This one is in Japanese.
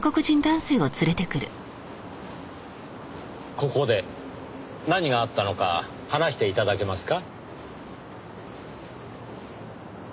ここで何があったのか話して頂けますか？